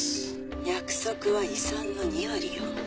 「約束は遺産の２割よ。